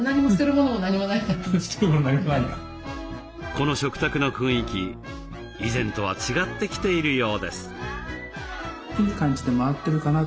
この食卓の雰囲気以前とは違ってきているようです。